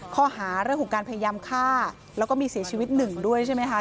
ข้อหาเรื่องของการพยายามฆ่าแล้วก็มีเสียชีวิตหนึ่งด้วยใช่ไหมคะ